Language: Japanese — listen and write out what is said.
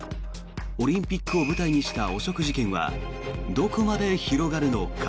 オリンピックを舞台にした汚職事件はどこまで広がるのか。